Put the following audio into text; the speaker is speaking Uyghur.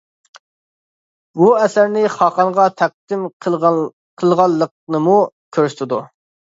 بۇ ئەسەرنى خاقانغا تەقدىم قىلغانلىقىنىمۇ كۆرسىتىدۇ.